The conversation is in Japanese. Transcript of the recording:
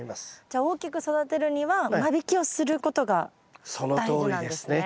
じゃあ大きく育てるには間引きをすることが大事なんですね。